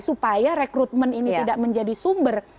supaya rekrutmen ini tidak menjadi sumber